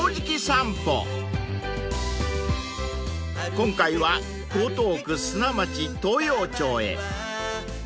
［今回は江東区砂町東陽町へ］